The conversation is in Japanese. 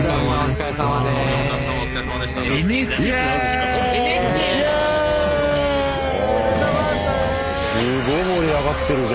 すごい盛り上がってるじゃん。